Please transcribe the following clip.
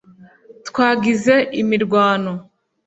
Twagize imirwano